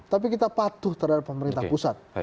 tapi kita patuh terhadap pemerintah pusat